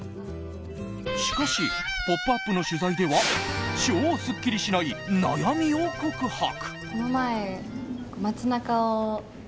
しかし「ポップＵＰ！」の取材では超すっきりしない悩みを告白。